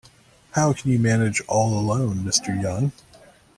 How can you manage all alone, Mr Young.